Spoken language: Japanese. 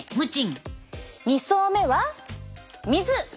２層目は水。